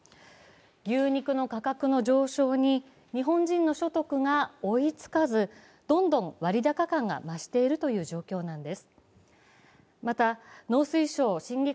牛肉の価格の上昇に日本人の所得が追いつかず、どんどん割高感が増しているという状況なんです。